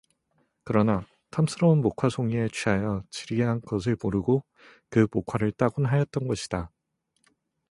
그러나 탐스러운 목화 송이에 취하여 지리한 것을 모르고 그 목화를 따곤 하였던 것이다.